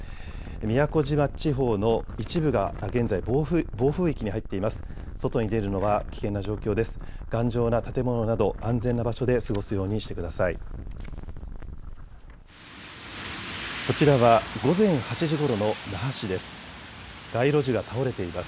宮古島地方の一部が現在、暴風域に入っています。